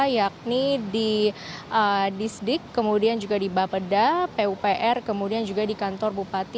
yakni di disdik kemudian juga di bapeda pupr kemudian juga di kantor bupati